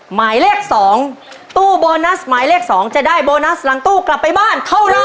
หมายเลข๒ตู้โบนัสหมายเลข๒จะได้โบนัสหลังตู้กลับไปบ้านเท่าไร